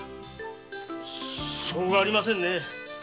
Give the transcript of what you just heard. しょうがありませんね。